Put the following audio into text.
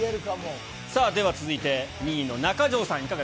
さあ、では続いて、２位の中条さ